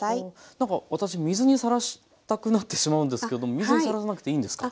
何か私水にさらしたくなってしまうんですけれども水にさらさなくていいんですか？